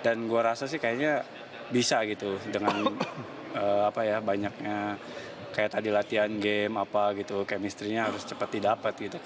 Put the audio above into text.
dan gue rasa sih kayaknya bisa gitu dengan banyaknya kayak tadi latihan game kemistrinya harus cepat didapat gitu